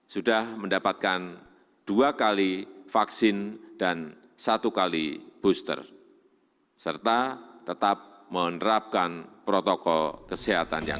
sudah mendapatkan dua kali vaksin dan satu kali booster serta tetap menerapkan protokol kesehatan yang